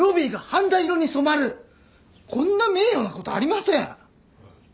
こんな名誉なことありません！